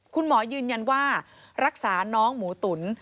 คุณหมอยืนยันว่ารักษาน้องหมูตุ๋น